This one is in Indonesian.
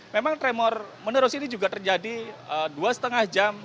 memang tremor menerus ini juga terjadi dua lima jam